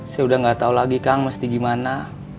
saya udah gak tau lagi kang mesti gimana